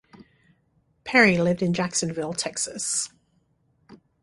Perry lived in Jacksonville, Texas.